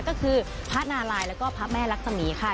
ก็คือพระนารายแล้วก็พระแม่รักษมีค่ะ